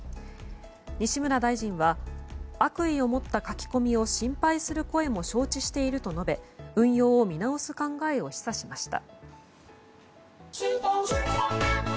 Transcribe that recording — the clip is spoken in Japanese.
西村大臣は、悪意を持った書き込みを心配する声も承知していると述べ運用を見直す考えを示唆しました。